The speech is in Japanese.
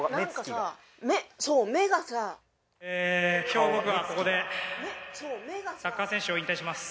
今日僕はここでサッカー選手を引退します。